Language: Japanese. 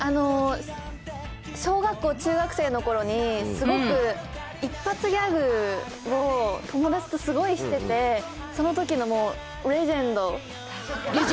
小学校、中学生のころに、すごく一発ギャグを友達とすごいしてて、そのときのもう、レジェンド。